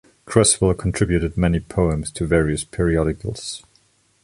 Creswell contributed many poems to various periodicals.